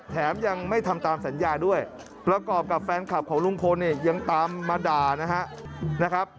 แถมยังไม่ทำตามสัญญาด้วยประกอบกับแฟนคลับของลุงพลเนี่ยยังตามมาด่านะครับ